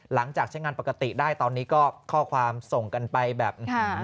หลังจากใช้งานปกติได้ตอนนี้ก็ข้อความส่งกันไปแบบ